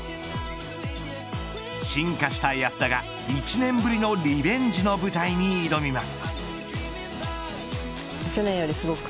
進化した安田が１年越しのリベンジの舞台に挑みます。